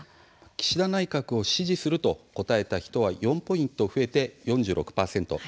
岸田内閣を支持すると答えた人は４ポイント増えて４６％。